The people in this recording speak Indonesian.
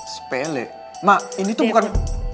sepele mak ini tuh bukan